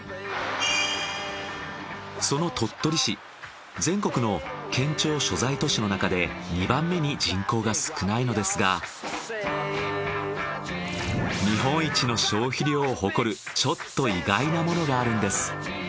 その鳥取市全国の県庁所在都市のなかで２番目に人口が少ないのですが日本一の消費量を誇るちょっと意外なものがあるんです。